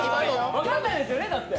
分かんないですよね、だって。